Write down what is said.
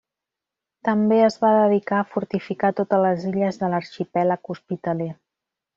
També es va dedicar a fortificar totes les illes de l'arxipèlag hospitaler.